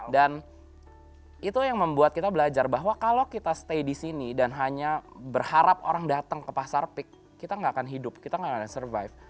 dan itu yang membuat kita belajar bahwa kalau kita stay di sini dan hanya berharap orang datang ke pasar peak kita nggak akan hidup kita nggak akan survive